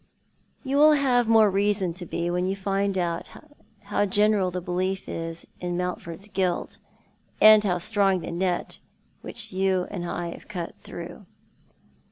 " You will have more reason to be when you find how general the belief in Mountford's guilt is, and how strong the net which you and I have cut through.".